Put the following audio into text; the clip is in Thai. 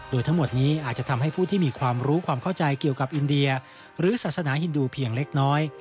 โดยทั้งหมดนี้อาจจะทำให้ผู้ที่มีความรู้ความเข้าใจเกี่ยวกับอินเดียหรือศาสนาฮินดูเพียงเล็กน้อย